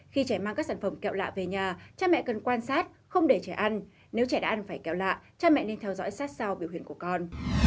khi trẻ mang các sản phẩm kẹo lạ về nhà cha mẹ cần quan sát không để trẻ ăn nếu trẻ đã ăn phải kẹo lạ cha mẹ nên theo dõi sát sao biểu hiện của con